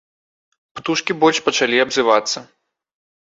Птушкі больш пачалі абзывацца.